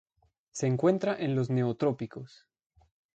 Se encuentra en los Neotrópicos.